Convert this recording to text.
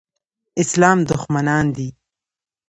اسلام دښمنان دي.